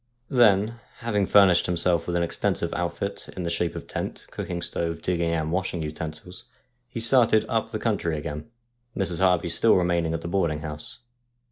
Then, having furnished himself with an extensive outfit in the shape of tent, cooking stove, digging and washing utensils, he started up the country again, Mrs. Harvey still remaining at the boarding house.